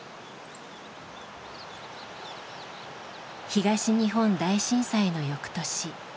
東日本大震災の翌年。